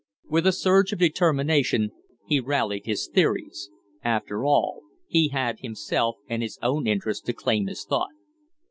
With a surge of determination he rallied his theories. After all, he had himself and his own interests to claim his thought.